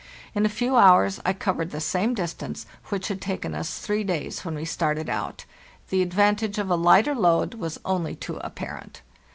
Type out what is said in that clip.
In a few hours I covered the same distance which had taken us three days when we started out. The advantage of a lighter load was only too apparent.